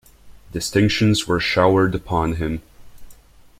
Distinctions were showered upon him.